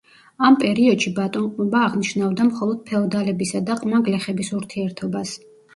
ამ პერიოდში ბატონყმობა აღნიშნავდა მხოლოდ ფეოდალებისა და ყმა გლეხების ურთიერთობას.